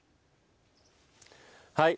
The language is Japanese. はい。